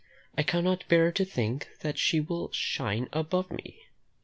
I cannot bear to think that she will shine above me.